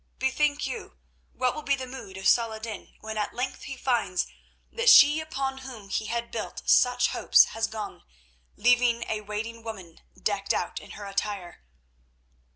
Bethink you, what will be the mood of Saladin when at length he finds that she upon whom he had built such hopes has gone, leaving a waiting woman decked out in her attire."